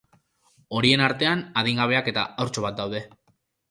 Horien artean, adingabeak eta haurtxo bat daude.